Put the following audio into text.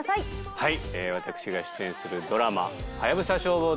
はい。